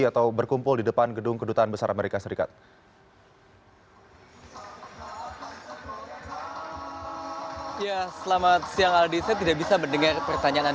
atau berkumpul di depan gedung kedutaan besar amerika serikat